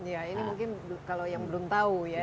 ya ini mungkin kalau yang belum tahu ya